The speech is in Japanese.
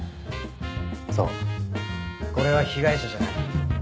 そうこれは被害者じゃない。